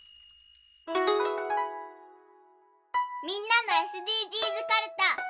みんなのＳＤＧｓかるた。